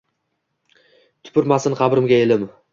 Tupurmasin qabrimga elim.